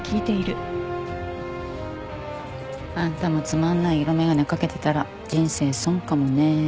あんたもつまんない色眼鏡掛けてたら人生損かもね。